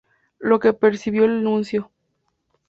Lo que percibió el nuncio.